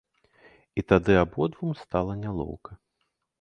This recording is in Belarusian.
І тады абодвум стала нялоўка.